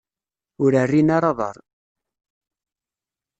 Ur rrin ara aḍar.